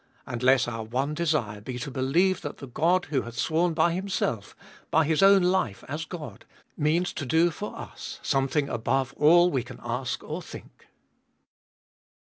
And let our one desire be to believe that the God who hath sworn by Himself, by His own life as God, means to do for us something above all we can ask or think.